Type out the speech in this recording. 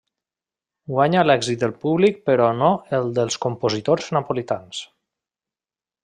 Guanya l'èxit del públic però no el dels compositors napolitans.